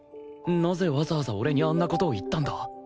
なぜわざわざ俺にあんな事を言ったんだ？